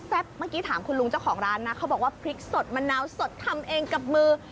เมื่อกี้ถามคุณลุงเจ้าของร้านนะเขาบอกว่าพริกสดมะนาวสดทำเองกับมือ